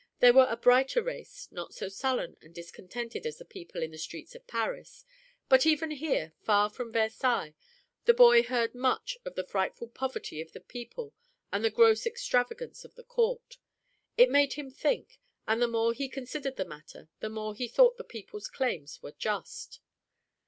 They were a brighter race, not so sullen and discontented as the people in the streets of Paris, but even here, far from Versailles, the boy heard much of the frightful poverty of the people and the gross extravagance of the court. It made him think, and the more he considered the matter the more he thought the people's claims were just.